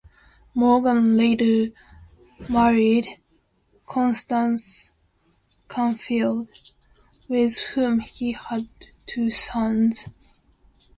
Morgan later married Constance Canfield, with whom he had two sons.